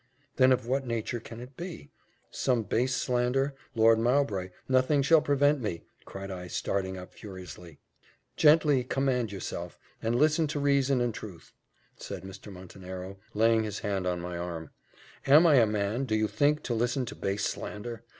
"Then of what nature can it be? Some base slander Lord Mowbray Nothing shall prevent me!" cried I, starting up furiously. "Gently command yourself, and listen to reason and truth," said Mr. Montenero, laying his hand on my arm. "Am I a man, do you think, to listen to base slander?